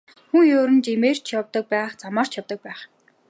Хүн ер нь жимээр ч явдаг байх, замаар ч явдаг л байх.